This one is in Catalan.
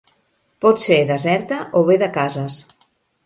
Pot ser deserta o bé de cases.